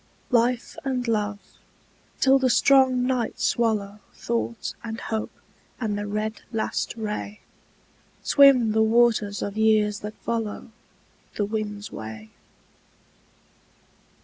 Life and love, till the strong night swallow Thought and hope and the red last ray, Swim the waters of years that follow The wind's way.